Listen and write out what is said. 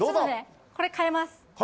これ、変えます。